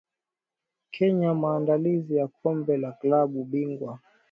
kenya maandalizi ya kombe la klabu bingwa